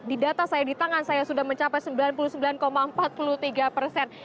di data saya di tangan saya sudah mencapai sembilan puluh sembilan empat puluh tiga persen